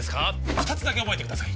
二つだけ覚えてください